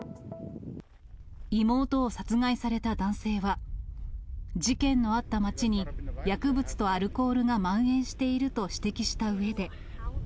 妹を殺害された男性は、事件のあった町に、薬物とアルコールがまん延していると指摘したうえで。